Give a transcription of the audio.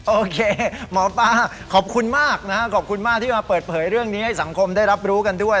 โอเคหมอป้าขอบคุณมากนะฮะขอบคุณมากที่มาเปิดเผยเรื่องนี้ให้สังคมได้รับรู้กันด้วย